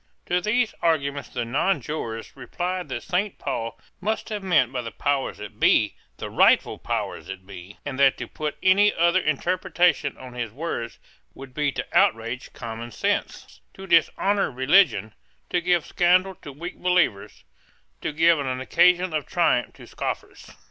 To these arguments the nonjurors replied that Saint Paul must have meant by the powers that be the rightful powers that be; and that to put any other interpretation on his words would be to outrage common sense, to dishonour religion, to give scandal to weak believers, to give an occasion of triumph to scoffers.